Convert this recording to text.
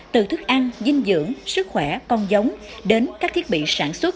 từ thức ăn dinh dưỡng sức khỏe con giống đến các thiết bị sản xuất